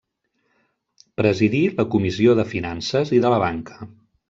Presidí la Comissió de Finances i de la Banca.